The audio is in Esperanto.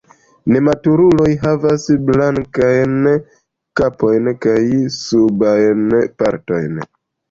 Nematuruloj havas blankajn kapon kaj subajn partojn.